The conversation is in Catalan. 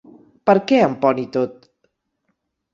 Per què amb poni tot?